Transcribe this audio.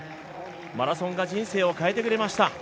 マラソンが人生を変えてくれました。